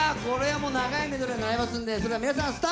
これはもう長いメドレーになりますんでそれでは皆さん